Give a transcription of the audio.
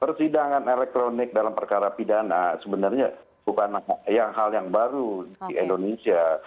persidangan elektronik dalam perkara pidana sebenarnya bukan hal yang baru di indonesia